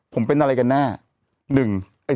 ผมเป็นอะไรกันแน่